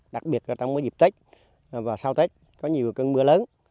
đặc biệt là trong dịp tết và sau tết có nhiều cơn mưa lớn